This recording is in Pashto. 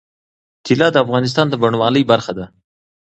طلا د افغانستان د بڼوالۍ برخه ده.